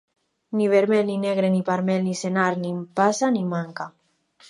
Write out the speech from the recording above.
Ni vermell ni negre ni parell ni senar ni passa ni manca.